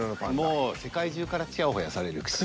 もう世界中からちやほやされるし。